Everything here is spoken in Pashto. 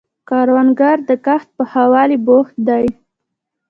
کروندګر د کښت په ښه والي بوخت دی